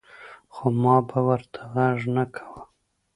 خو ما به ورته غږ نۀ کوۀ ـ